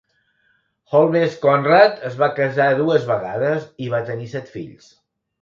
Holmes Conrad es va casar dues vegades i va tenir set fills.